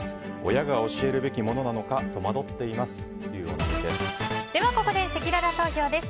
親が教えるべきものなのか戸惑っていますというお悩みです。